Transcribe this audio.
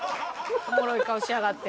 おもろい顔しやがって。